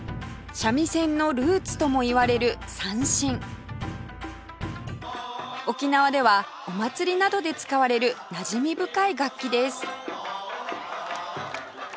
三味線のルーツともいわれる三線沖縄ではお祭りなどで使われるなじみ深い楽器です